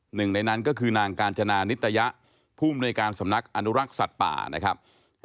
หนึ่งในนั้นก็คือนางกาญจนานิตยะผู้มนุยการสำนักอนุรักษ์สัตว์ป่านะครับ